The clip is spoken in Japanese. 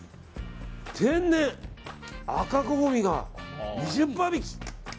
天然赤こごみが２０％引き。